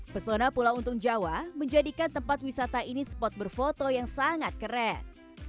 pesona pulau untung jawa menjadikan tempat wisata ini spot berfoto yang sangat keren